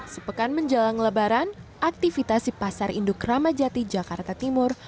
sepekan menjelang lebaran aktivitas di pasar induk ramadjati jakarta timur